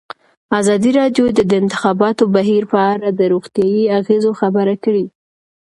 ازادي راډیو د د انتخاباتو بهیر په اړه د روغتیایي اغېزو خبره کړې.